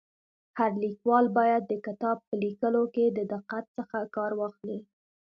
هر لیکوال باید د کتاب په ليکلو کي د دقت څخه کار واخلي.